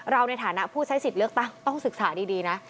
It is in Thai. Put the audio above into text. ในฐานะผู้ใช้สิทธิ์เลือกตั้งต้องศึกษาดีนะ